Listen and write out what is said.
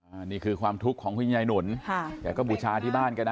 อันนี้คือความทุกข์ของคุณยายหนุนค่ะแกก็บูชาที่บ้านแกนะ